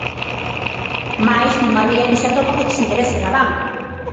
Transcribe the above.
Máis nunha vía que se atopa co desinterese da banca.